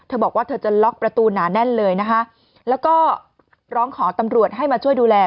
บอกว่าเธอจะล็อกประตูหนาแน่นเลยนะคะแล้วก็ร้องขอตำรวจให้มาช่วยดูแล